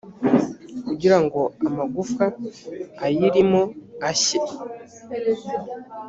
kugira ngo amagufwa ayirimo ashye